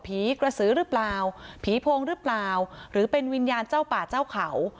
กระสือหรือเปล่าผีโพงหรือเปล่าหรือเป็นวิญญาณเจ้าป่าเจ้าเขา